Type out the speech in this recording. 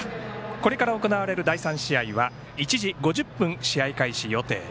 これから行われる第３試合は１時５０分試合開始予定。